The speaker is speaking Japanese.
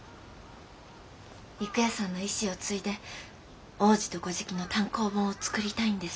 郁弥さんの遺志を継いで「王子と乞食」の単行本を作りたいんです。